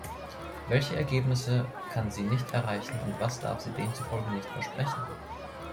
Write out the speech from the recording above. Welche Ergebnisse kann sie nicht erreichen und was darf sie demzufolge nicht versprechen?